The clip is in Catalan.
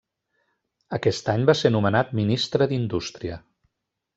Aquest any va ser nomenat ministre d'Indústria.